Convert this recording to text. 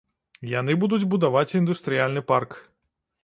Яны будуць будаваць індустрыяльны парк.